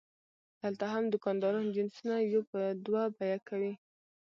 دلته هم دوکانداران جنسونه یو په دوه بیه کوي.